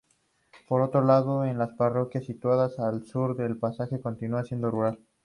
Por otro lado, en las parroquias situadas al sur el paisaje continúa siendo rural.